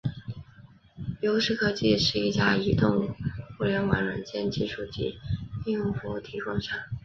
优视科技是一家移动互联网软件技术及应用服务提供商。